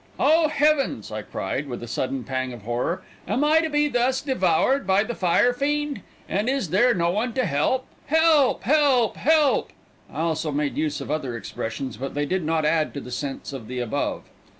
"Oh, heavens," I cried, with a sudden pang of horror, "am I to be thus devoured by the fire fiend? And is there no one to help? Help! Help! Help!" I also made use of other expressions but they did not add to the sense of the above.